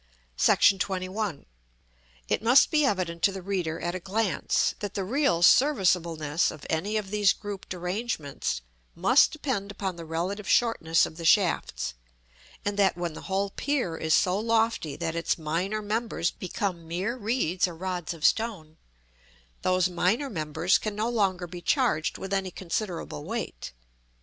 § XXI. It must be evident to the reader at a glance, that the real serviceableness of any of these grouped arrangements must depend upon the relative shortness of the shafts, and that, when the whole pier is so lofty that its minor members become mere reeds or rods of stone, those minor members can no longer be charged with any considerable weight.